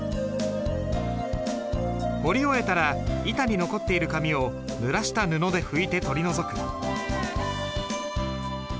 彫り終えたら板に残っている紙をぬらした布で拭いて取り除く。